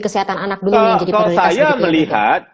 kesehatan anak dulu yang jadi prioritas kalau saya melihat